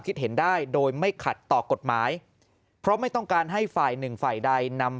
คิดเห็นได้โดยไม่ขัดต่อกฎหมายเพราะไม่ต้องการให้ฝ่ายหนึ่งฝ่ายใดนำ